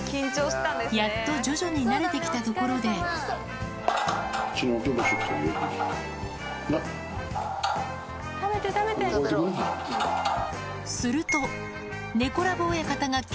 やっと徐々に慣れて来たところですると猫ＬＯＶＥ